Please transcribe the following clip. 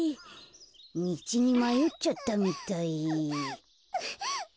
みちにまよっちゃったみたい。